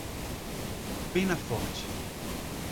Penaforte